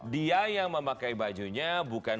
dia yang memakai bajunya bukan